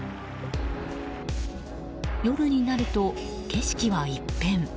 夜になると、景色は一変。